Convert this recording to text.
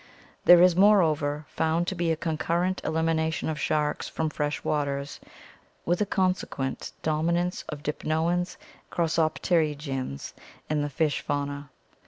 There is, moreover, found to be a concurrent elimination of sharks from fresh waters with a consequent dominance of dipnoans and crossopterygians in the fish fauna.